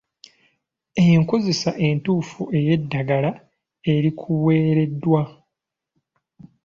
Enkozesa entuufu ey'eddagala erikuweereddwa.